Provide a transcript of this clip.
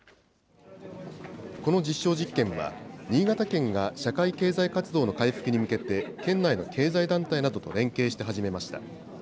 この実証実験は、新潟県が社会経済活動の回復に向けて、県内の経済団体などと連携して始めました。